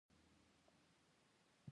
قدرت تفکر ایساروي